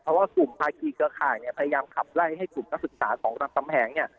เพราะว่ากลุ่มภาคีเกอร์ข่ายพยายามขับไล่ให้กลุ่มนักศึกษาของรำคำแหง